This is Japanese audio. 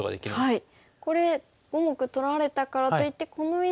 はい。